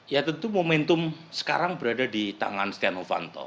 ya tentu momentum sekarang berada di tangan setia novanto